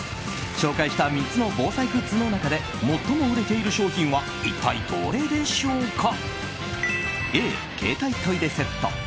紹介した３つの防災グッズの中で最も売れている商品は一体どれでしょうか？